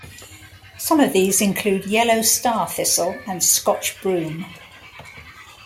Some of these include yellow starthistle and scotch broom.